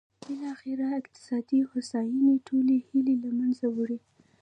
بالاخره د اقتصادي هوساینې ټولې هیلې له منځه وړي.